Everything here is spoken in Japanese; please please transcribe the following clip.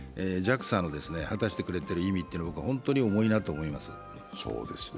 ＪＡＸＡの果たしてくれている意味は本当に重いなと思います。